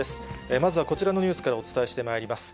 まずはこちらのニュースからお伝えしてまいります。